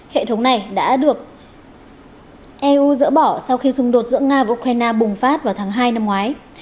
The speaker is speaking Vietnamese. hệ thống này đã được eu dỡ bỏ sau khi xung đột giữa nga và ukraine bùng phát vào tháng hai năm ngoái